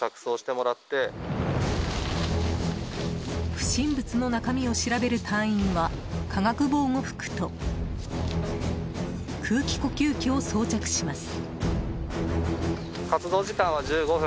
不審物の中身を調べる隊員は化学防護服と空気呼吸器を装着します。